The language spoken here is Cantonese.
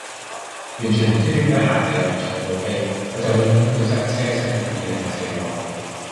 完全唔知點解硬係有人搶到飛，我就永遠等佢塞車塞到二零四六